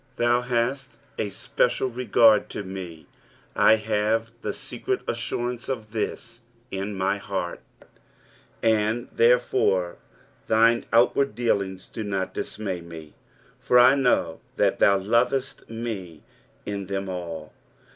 Thou hot a special regard to me, I have the secret nssurance of this in mv heart, and, therefnrc, thine outward dealings do not dismay me, for I know that thou lovest me in them all.